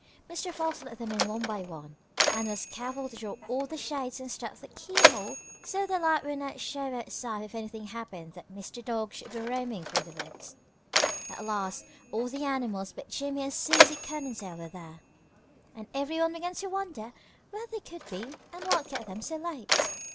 Mr. Fox let them in one by one and was careful to draw all the shades and stuff the keyhole so the light would not show outside if anything happened that Mr. Dog should be roaming through the woods. At last all the animals but Jimmie and Susie Cottontail were there, and everyone began to wonder where they could be and what kept them so late.